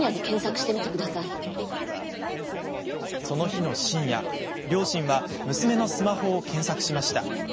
その日の深夜両親は娘のスマホを検索しました。